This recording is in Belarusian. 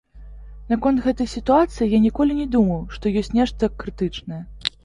Наконт гэтай сітуацыі я ніколі не думаў, што ёсць нешта крытычнае.